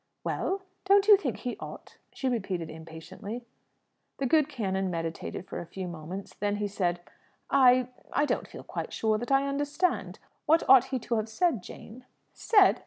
"Well? Don't you think he ought?" she repeated impatiently. The good canon meditated for a few moments. Then he said "I I don't feel quite sure that I understand. What ought he to have said, Jane?" "Said!